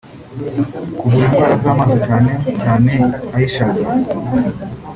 kuvura indwara z’amaso cyane cyane iy’ishaza